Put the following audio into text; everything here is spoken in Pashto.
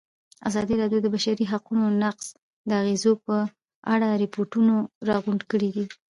ازادي راډیو د د بشري حقونو نقض د اغېزو په اړه ریپوټونه راغونډ کړي.